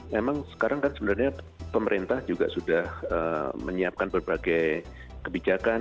memang sekarang kan sebenarnya pemerintah juga sudah menyiapkan berbagai kebijakan